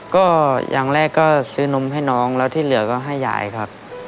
ก็อย่างแรกก็ซื้อนมให้น้องแล้วที่เหลือก็ให้ยายครับ